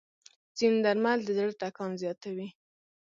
ځینې درمل د زړه ټکان زیاتوي.